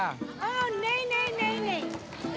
oh tidak tidak tidak